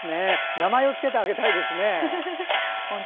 名前をつけてあげたいですね。